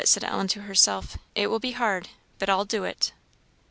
said Ellen to herself "it will be hard, but I'll do it!"